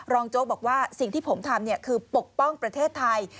โจ๊กบอกว่าสิ่งที่ผมทำคือปกป้องประเทศไทย